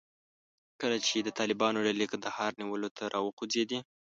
کله چې د طالبانو ډلې د کندهار نیولو ته راوخوځېدې.